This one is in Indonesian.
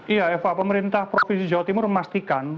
iya eva pemerintah provinsi jawa timur memastikan